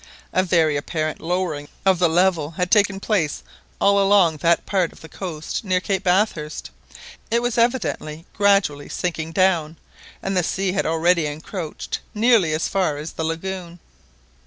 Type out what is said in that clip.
A very apparent lowering of the level had taken place all along that part of the coast near Cape Bathurst, it was evidently gradually sinking down, and the sea had already encroached nearly as far as the lagoon.